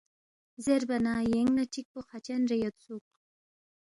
زیربا نہ یینگ نہ چِکپو خا چن رے یودسُوک